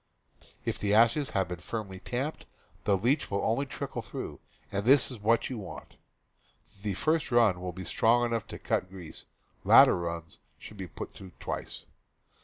If the ashes have been firmly tamped, the leach will only trickle through, and that is what you want. The first run will be strong enough to cut grease; later runs should be put through twice.